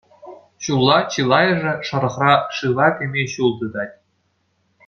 Ҫулла чылайӑшӗ шӑрӑхра шыва кӗме ҫул тытать.